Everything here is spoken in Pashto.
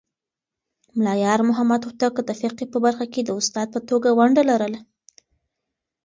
ملا يارمحمد هوتک د فقهه په برخه کې د استاد په توګه ونډه لرله.